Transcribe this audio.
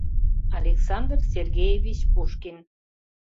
Александр Сергеевич Пушкин